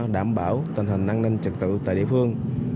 đảm bảo tình hình an ninh trật tự tại địa phương